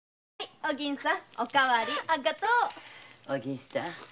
お銀さん